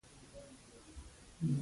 مجاهد د پټ عبادت خوند اخلي.